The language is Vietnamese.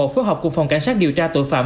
phối hợp cùng phòng cảnh sát điều tra tội phạm